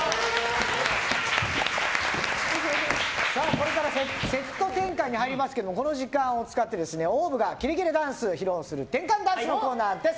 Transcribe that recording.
これからセット転換に入りますがこの時間を使ってＯＷＶがキレキレダンスを披露する転換ダンスのコーナーです。